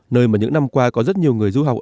nơi mà những năm qua có rất nhiều người du học